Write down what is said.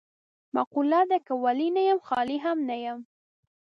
مقوله ده: که ولي نه یم خالي هم نه یم.